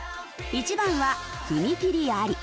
１番は踏切あり。